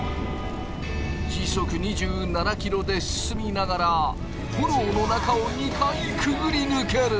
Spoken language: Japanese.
時速２７ｋｍで進みながら炎の中を２回くぐり抜ける。